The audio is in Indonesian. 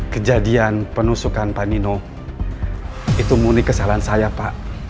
kejadian penusukan pak nino itu murni kesalahan saya pak